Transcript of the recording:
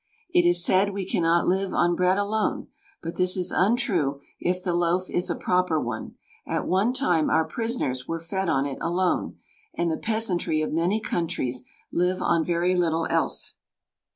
It is said we cannot live on bread alone, but this is untrue if the loaf is a proper one; at one time our prisoners were fed on it alone, and the peasantry of many countries live on very little else.